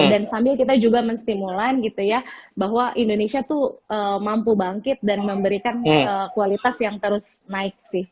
dan sambil kita juga menstimulan gitu ya bahwa indonesia tuh mampu bangkit dan memberikan kualitas yang terus naik sih gitu